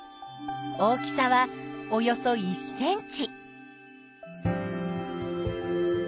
大きさはおよそ１ｃｍ。